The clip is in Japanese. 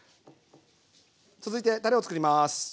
続いてたれを作ります。